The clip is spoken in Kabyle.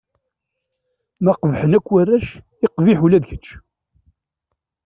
Ma qebḥen akk warrac, iqbiḥ ula d kečč!